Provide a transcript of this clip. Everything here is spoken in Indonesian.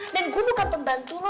dan gue bukan pembantu lo